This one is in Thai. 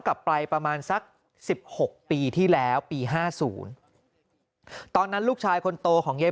กลับไปประมาณสัก๑๖ปีที่แล้วปี๕๐ตอนนั้นลูกชายคนโตของยาย